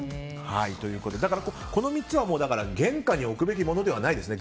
だから、この３つは玄関に置くべきものではないですね。